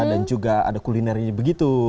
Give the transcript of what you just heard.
dan juga ada kulinernya begitu